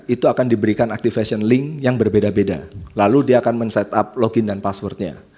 itu akan diberikan activation link yang berbeda beda lalu dia akan men set up login dan passwordnya